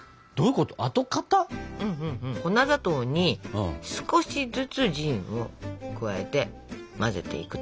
粉砂糖に少しずつジンを加えて混ぜていくと。